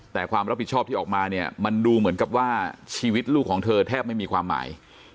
แต่ความรับผิดชอบที่ออกมาเนี่ยมันดูเหมือนกับว่าชีวิตลูกของเธอแทบไม่มีความหมาย